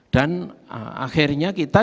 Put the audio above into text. dan akhirnya kita